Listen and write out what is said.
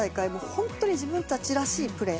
本当に自分たちらしいプレー。